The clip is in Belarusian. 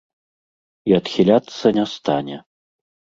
І адхіляцца не стане.